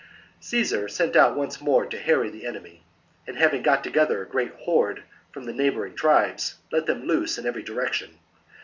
43. Caesar set out once more to harry th^ enemy, and, having got together a great horde from the neighbouring tribes, let them loose in every direction.